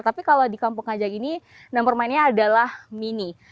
tapi kalau di kampung kajang ini nama permainannya adalah mini